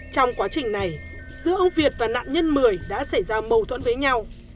trong quá trình này giữa ông việt và nạn nhân mười đã xảy ra mâu thuẫn với nhau